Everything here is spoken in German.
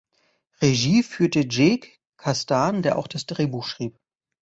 Regie führte Jake Kasdan, der auch das Drehbuch schrieb.